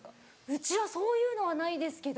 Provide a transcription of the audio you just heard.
うちはそういうのはないですけど。